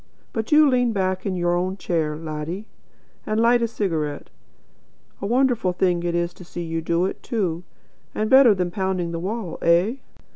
But you lean back in your own chair, laddie, and light a cigarette. And a wonderful thing it is to see you do it, too, and better than pounding the wall. Eh?